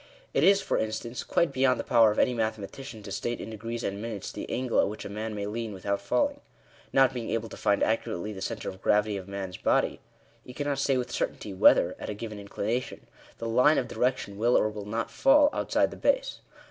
It is for instance, quite beyond the power of any mathematician to state in degrees and minutes, the angle at which a man may lean without falling. Not being able to find accurately the Digitized by VjOOQIC APPLICATION OF THIS FIRST PRINCIPLE. Ill centre of gravity of a man's body, he cannot say with certainty whether, at a given inclination, the line of direction will or will not fall outside the base.